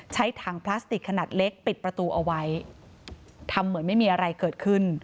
ใช้ถังพลาสติกขนาดเล็กปิดประตูเอาไว้ทำเหมือนไม่มีอะไรเกิดขึ้น